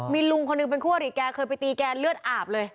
มีลุงคนหนึ่งเป็นคู่อริแกเคยไปตีแกเลือดอาบเลย